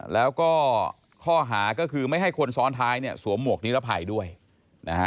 แล้วก็ข้อหาก็คือไม่ให้คนซ้อนท้ายเนี่ยสวมหมวกนิรภัยด้วยนะฮะ